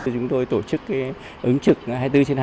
chúng tôi tổ chức ứng trực hai mươi bốn trên hai mươi bốn